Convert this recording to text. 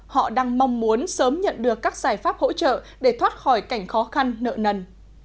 họ đang mong muốn sớm nhận được các giải pháp hỗ trợ để thoát khỏi cảnh khó khăn nợ nần